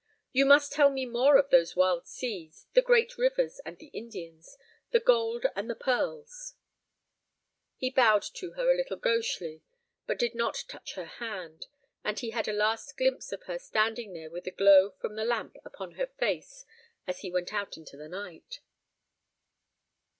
"You must tell me more of those wild seas, the great rivers, and the Indians, the gold and the pearls." He bowed to her a little gauchely, but did not touch her hand, and he had a last glimpse of her standing there with the glow from the lamp upon her face as he went out into the night.